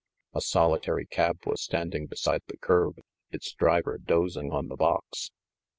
A solitary cab was standing beside the curb, its driver dozing on the box.